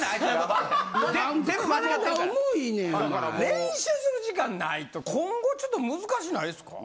練習する時間ないと今後ちょっと難しないですか？